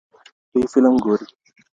دوی فلم ګوري